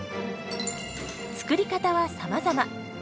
作り方はさまざま。